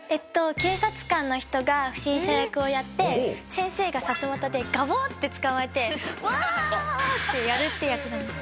警察官の人が不審者役をやって先生がさすまたでガボってつかまえてワってやるってやつなんです。